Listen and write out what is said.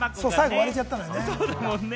最後、割れちゃったのよね。